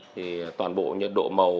thì toàn bộ nhiệt độ màu